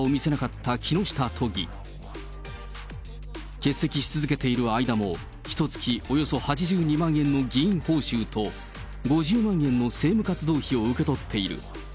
欠席し続けている間も、ひとつきおよそ８２万円の議員報酬と、５０万円の政務活動費を受け取っている。